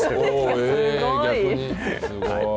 すごい。